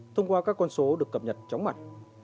thông qua các con số được cập nhật chóng mặt